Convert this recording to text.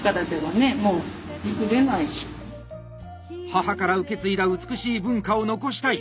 母から受け継いだ美しい文化を残したい！